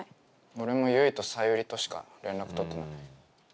俺も結衣とさゆりとしか連絡取ってない。